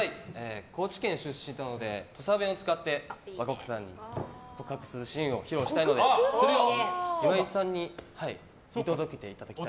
高知県出身なので土佐弁を使って和歌子さんに告白するシーンを披露してそれを岩井さんに見届けいただきたい。